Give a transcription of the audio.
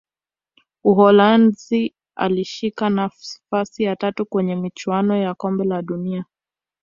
uholanzi alishika nafasi ya tatu kwenye michuano ya kombe la dunia